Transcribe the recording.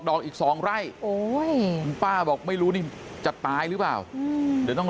อกอีก๒ไร่คุณป้าบอกไม่รู้นี่จะตายหรือเปล่าเดี๋ยวต้อง